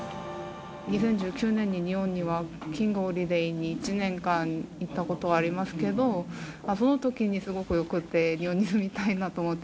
２０１９年に、日本にワーキングホリデーで、１年間行ったことがありますけれども、そのときにすごくよくて、日本に住みたいなと思って。